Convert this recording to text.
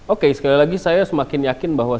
oke sekali lagi saya semakin yakin bahwa